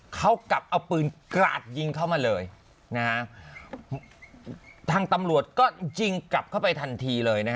เขากลับเอาปืนกราดยิงเข้ามาเลยนะฮะทางตำรวจก็ยิงกลับเข้าไปทันทีเลยนะฮะ